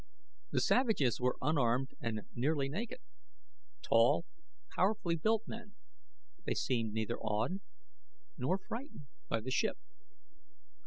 The savages were unarmed and nearly naked tall, powerfully built men; they seemed neither awed nor frightened by the ship.